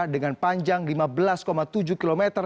dengan panjang lima belas tujuh km